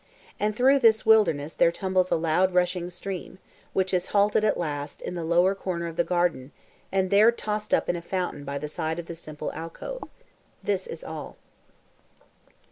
And through this wilderness there tumbles a loud rushing stream, which is halted at last in the lowest corner of the garden, and there tossed up in a fountain by the side of the simple alcove. This is all.